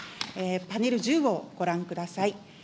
パネル１０をご覧ください。